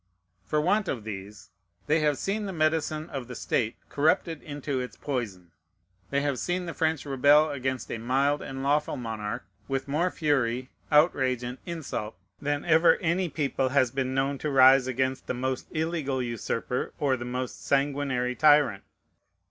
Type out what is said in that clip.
For want of these, they have seen the medicine of the state corrupted into its poison. They have seen the French rebel against a mild and lawful monarch, with more fury, outrage, and insult than ever any people has been known to rise against the most illegal usurper or the most sanguinary tyrant.